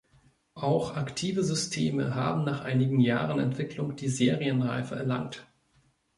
Auch aktive Systeme haben nach einigen Jahren Entwicklung die Serienreife erlangt.